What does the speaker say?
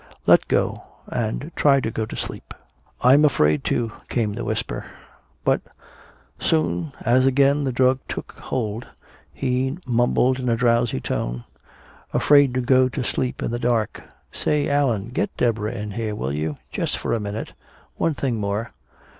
Let go, and try to go to sleep." "I'm afraid to," came the whisper. But soon, as again the drug took hold, he mumbled in a drowsy tone, "Afraid to go to sleep in the dark.... Say, Allan get Deborah in here, will you just for a minute. One thing more."